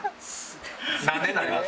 何年になります？